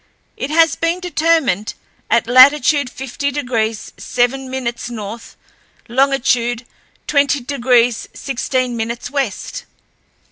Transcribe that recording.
It has been determined at latitude fifty degrees seven minutes north, longitude twenty degrees sixteen minutes west."